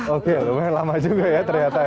oke lumayan lama juga ya ternyata ya